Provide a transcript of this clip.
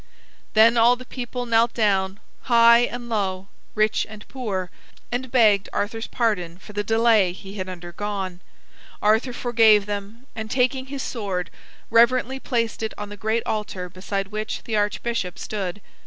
Then all the people knelt down, high and low, rich and poor, and begged Arthur's pardon for the delay he had undergone. Arthur forgave them, and taking his sword, reverently placed it on the great altar beside which the archbishop stood.